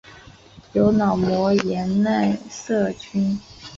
由脑膜炎奈瑟菌。